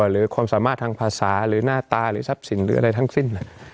หรือความสามารถทางภาษาหรือหน้าตาหรือทรัพย์สินหรืออะไรทั้งสิ้น